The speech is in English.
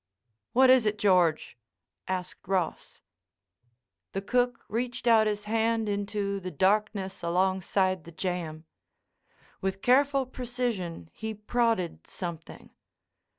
"What is it, George?" asked Ross. The cook reached out his hand into the darkness alongside the jamb. With careful precision he prodded something.